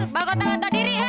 bangga tangan tak diri